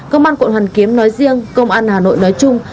công an quận hoàn kiếm nói riêng công an hà nội nói chung